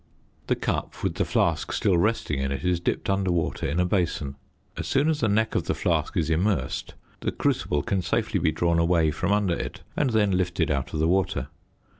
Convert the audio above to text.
The cup, with the flask still resting in it, is dipped under water in a basin; as soon as the neck of the flask is immersed the crucible can safely be drawn away from under it and then lifted out of the water.